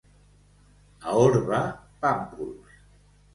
A Orba, pàmpols.